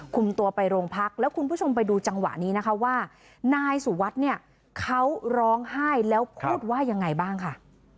คุมตัวไปโรงพักแล้วคุณผู้ชมไปดูจังหวะนี้นะคะว่านายสุวัสดิ์เนี่ยเขาร้องไห้แล้วพูดว่ายังไงบ้างค่ะ